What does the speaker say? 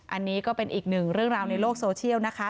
อันนี้ก็เป็นอีกหนึ่งเรื่องราวในโลกโซเชียลนะคะ